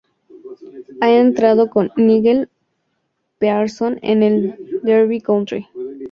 Ha entrenado con Nigel Pearson en el Derby County.